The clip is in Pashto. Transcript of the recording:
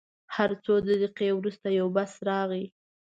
هر څو دقیقې وروسته یو بس راغی.